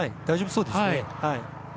大丈夫そうですね。